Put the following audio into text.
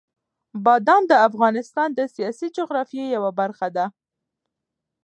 بادام د افغانستان د سیاسي جغرافیې یوه برخه ده.